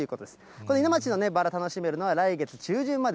この伊奈町のバラ楽しめるのは、来月中旬まで。